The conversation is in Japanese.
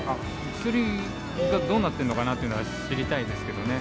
薬がどうなってんのかなというのは知りたいですけどね。